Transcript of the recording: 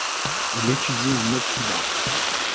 Il étudie en Occident.